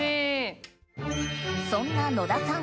そんなのださん